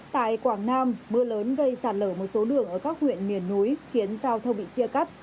tại quảng nam mưa lớn gây sạt lở một số đường ở các huyện miền núi khiến giao thông bị chia cắt